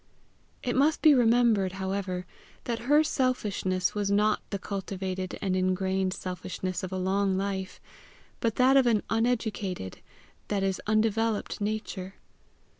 It must be remembered, however, that her selfishness was not the cultivated and ingrained selfishness of a long life, but that of an uneducated, that is undeveloped nature.